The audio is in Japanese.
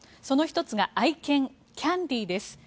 その１つが愛犬キャンディです。